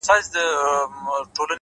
هره پوښتنه د کشف لاره هواروي!